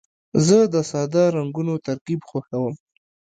زه د ساده رنګونو ترکیب خوښوم.